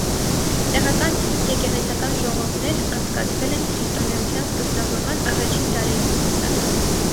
Տեղական եկեղեցական ժողովներ անցկացվել են քրիստոնեության սկզբնավորման առաջին դարերից սկսած։